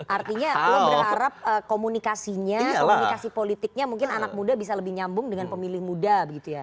artinya berharap komunikasinya komunikasi politiknya mungkin anak muda bisa lebih nyambung dengan pemilih muda begitu ya